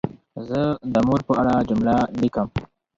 زه د مور په اړه جمله لیکم.